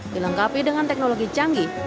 dilengkapi dengan teknologi canggih